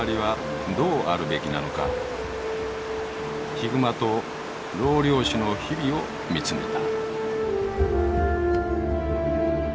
ヒグマと老漁師の日々を見つめた。